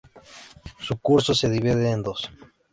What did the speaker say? Su curso se divide en dos.